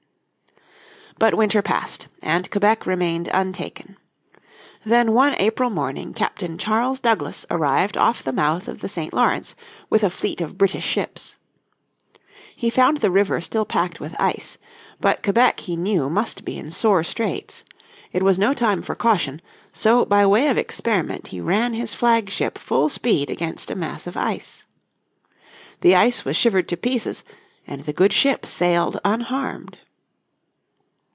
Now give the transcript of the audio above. But winter passed and Quebec remained untaken. Then on April morning Captain Charles Douglas arrived off the mouth of the St. Lawrence with a fleet of British ships. He found the river still packed with ice. But Quebec he knew must be in sore straits. It was no time for caution, so by way of experiment he ran his flag ship full speed against a mass of ice. The ice was shivered to pieces, and the good ship sailed unharmed.